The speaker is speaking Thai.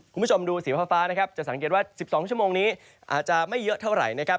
คุณผู้ชมดูสีฟ้านะครับจะสังเกตว่า๑๒ชั่วโมงนี้อาจจะไม่เยอะเท่าไหร่นะครับ